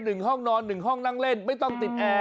หนึ่งห้องนอนหนึ่งห้องนั่งเล่นไม่ต้องติดแอร์